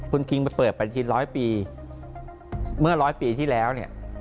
คุณกิ้งเปิดไปที๑๐๐ปีเมื่อ๑๐๐ปีที่แล้วเนี่ย